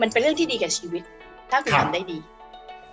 มันเป็นเรื่องที่ดีกับชีวิตถ้าคุณทำได้ดี